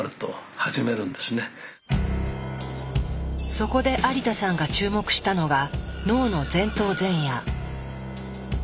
そこで有田さんが注目したのが脳の前頭前野。